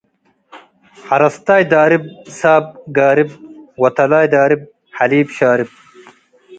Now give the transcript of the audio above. . ሐረስታይ ዳርብ ሳብ ጋርብ ወተላይ ዳርብ ሐሊብ ሻርብ፣